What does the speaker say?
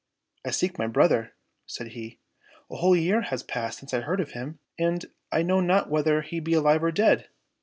—" I seek my brother," said he ; "a whole year has passed since I heard of him, and I know not whether he be alive or dead."